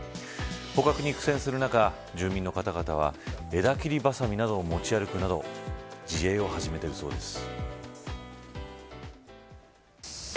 捕獲に苦戦する中住民の方々は枝切りばさみなどを持ち歩くなど自衛を始めているそうです。